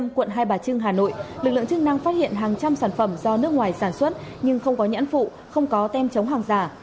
lực lượng chức năng phát hiện hàng trăm sản phẩm do nước ngoài sản xuất nhưng không có nhãn phụ không có tem chống hàng giả